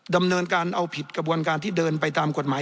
ดำเนินการเอาผิดกระบวนการที่เดินไปตามกฎหมาย